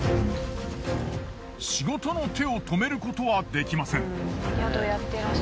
仕事の手を止めることはできません。